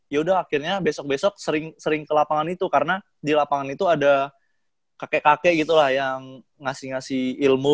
yaudah akhirnya besok besok sering ke lapangan itu karena di lapangan itu ada kakek kakek gitu lah yang ngasih ngasih ilmu